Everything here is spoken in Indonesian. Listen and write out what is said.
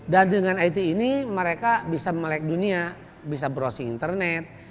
dan dengan it ini mereka bisa melek dunia bisa browsing internet